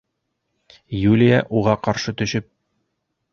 Юлия, уға ҡаршы төшөп: